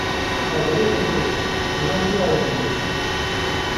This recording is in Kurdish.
Xwe li min nepêçe wiha nikarim bimeşim.